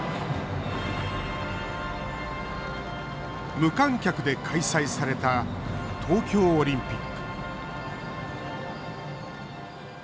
無観客で開催された東京オリンピック。